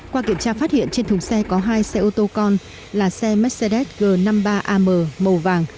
qua kiểm tra phát hiện trên thùng xe có hai xe ô tô con là xe mercedes g năm mươi ba am màu vàng